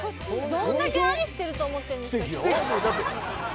どんだけ愛してると思ってんですか。